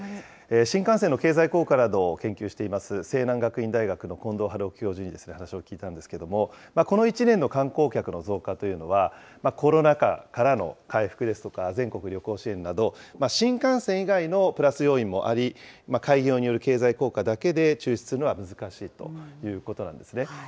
新幹線の経済効果などを研究しています、西南学院大学の近藤春生教授に話を聞いたんですけれども、この１年の観光客の増加というのは、コロナ禍からの回復ですとか、全国旅行支援など、新幹線以外のプラス要因もあり、開業による経済効果だけで抽出するのは難しいということなんですね。